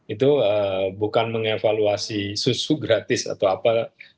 itu bukan mengevaluasi susu gratis atau apa